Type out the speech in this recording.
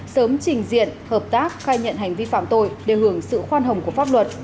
sớm trình diện hợp tác khai nhận hành vi phạm tội để hưởng sự khoan hồng của pháp luật